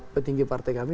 petinggi partai kami